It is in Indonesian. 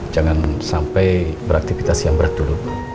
jangan sampai beraktivitas yang berat dulu